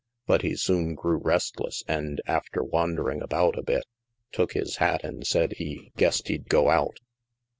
But he soon grew restless and, after wandering about a bit, took his hat and said he " guessed he'd go out."